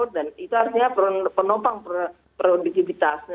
dan itu artinya penopang produktivitas